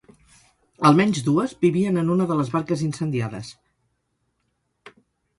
Almenys dues vivien en una de les barques incendiades.